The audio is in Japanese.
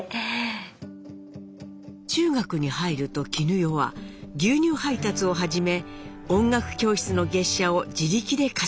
中学に入ると絹代は牛乳配達を始め音楽教室の月謝を自力で稼ぎます。